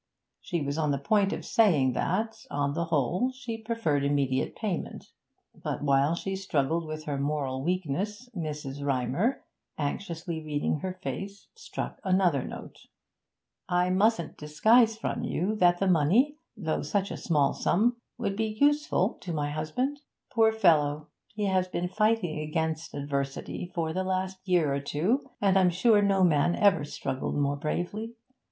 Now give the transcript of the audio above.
She was on the point of saying that, on the whole, she preferred immediate payment; but while she struggled with her moral weakness Mrs. Rymer, anxiously reading her face, struck another note. 'I mustn't disguise from you that the money, though such a small sum, would be useful to my husband. Poor fellow! he has been fighting against adversity for the last year or two, and I'm sure no man ever struggled more bravely.